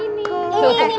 ini mama tuh